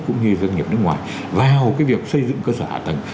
cũng như doanh nghiệp nước ngoài vào việc xây dựng cơ sở hạ tầng